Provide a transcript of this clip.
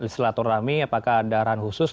silaturahmi apakah ada arahan khusus